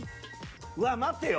うわっ待てよ。